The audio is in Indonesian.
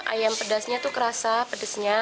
ayam pedasnya itu kerasa